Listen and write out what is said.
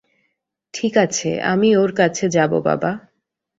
ঠিক আছে আমি ওর কাছে যাব বাবা।